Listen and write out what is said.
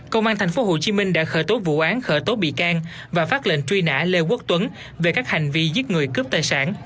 công an tp hcm đã khởi tố vụ án khởi tố bị can và phát lệnh truy nã lê quốc tuấn về các hành vi giết người cướp tài sản